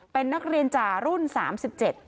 เป็นนักเรียนจ่ารุ่น๓๗ครับ